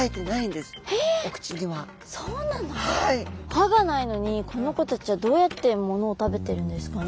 歯がないのにこの子たちはどうやってものを食べてるんですかね？